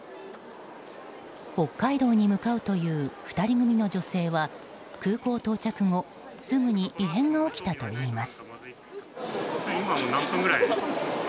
北海道に向かうという２人組の女性は空港到着後すぐに異変が起きたといいます。